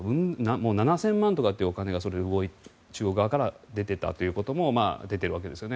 もう７０００万とかってお金が中国側から出ていたということも出ているわけですよね。